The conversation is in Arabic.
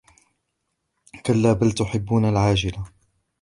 كَلاَّ بَلْ تُحِبُّونَ الْعَاجِلَةَ